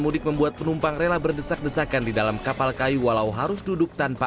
mudik membuat penumpang rela berdesak desakan di dalam kapal kayu walau harus duduk tanpa